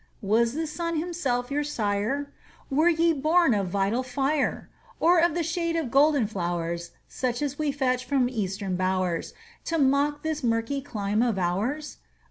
Was the sun himself your sire? Were ye born of vital fire? Or of the shade of golden flowers, Such as we fetch from Eastern bowers, To mock this murky clime of ours?